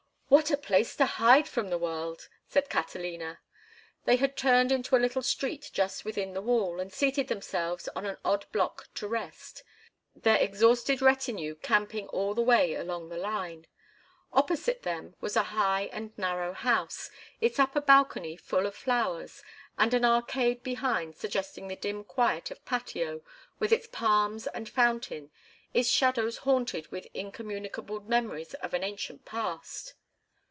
"What a place to hide from the world!" said Catalina. They had turned into a little street just within the wall, and seated themselves on an odd block to rest, their exhausted retinue camping all the way along the line. Opposite them was a high and narrow house, its upper balcony full of flowers, and an arcade behind suggesting the dim quiet of patio with its palms and fountain, its shadows haunted with incommunicable memories of an ancient past.